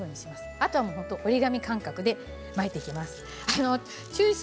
あとは折り紙感覚で巻いていきます。